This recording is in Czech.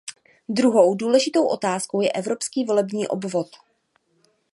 Druhou důležitou otázkou je evropský volební obvod.